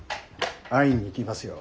会いに行きますよ。